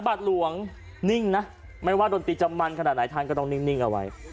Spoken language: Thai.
บาทหลวงนิ่งนะไม่ว่าดนตรีจะมันขนาดไหนท่านก็ต้องนิ่งเอาไว้